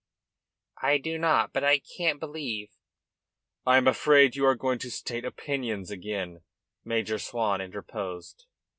"I do not; but I can't believe " "I am afraid you are going to state opinions again," Major Swan interposed.